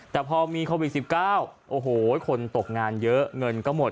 แต่พอมีโควิด๑๙โอ้โหคนตกงานเยอะเงินก็หมด